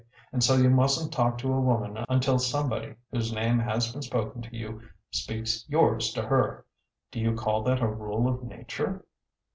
And so you mustn't talk to a woman until somebody whose name has been spoken to you speaks yours to her! Do you call that a rule of nature?"